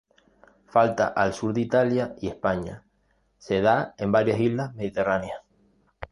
Falta al sur de Italia y España, se da en varias islas mediterráneas.